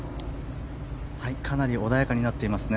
かなり穏やかになっていますね。